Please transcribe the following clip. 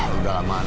udah lah man